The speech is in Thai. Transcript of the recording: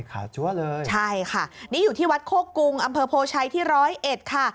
ค่ะจั๊วเลยค่ะนี่อยู่ที่วัดโคกรุงอำเภอโภชัยที่๑๐๑ค่ะ